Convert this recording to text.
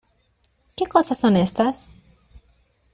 ¿Qué cosas son estas?